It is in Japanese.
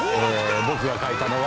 僕が書いたのは。